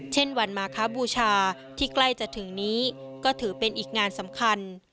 เช่นวันมาคบูชาที่ใกล้จะถึงนี้ก็ถือเป็นอีกงานสำคัญ